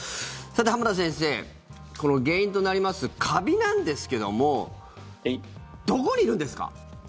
浜田先生、この原因となりますカビなんですけどもどこにいるんですか？